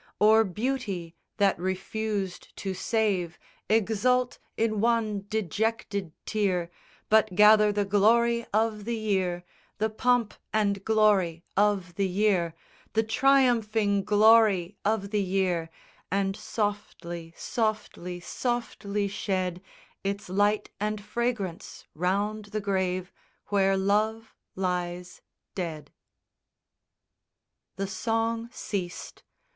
Or beauty that refused to save. Exult in one dejected tear; But gather the glory of the year, The pomp and glory of the year, The triumphing glory of the year, And softly, softly, softly shed Its light and fragrance round the grave Where Love lies dead_. The song ceased.